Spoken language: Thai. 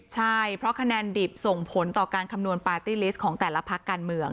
ใช่เพราะคะแนนดิบส่งผลต่อการคำนวณปาร์ตี้ลิสต์ของแต่ละพักการเมือง